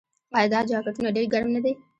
آیا دا جاکټونه ډیر ګرم نه دي؟